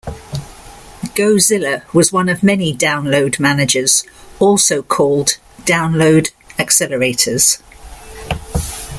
Go! Zilla was one of many download managers, also called download accelerators.